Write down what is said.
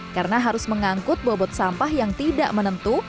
karena harus mengangkut bobot sampah yang tidak menentu